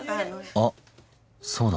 あっそうだ。